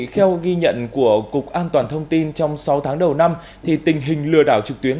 theo ghi nhận của cục an toàn thông tin trong sáu tháng đầu năm tình hình lừa đảo trực tuyến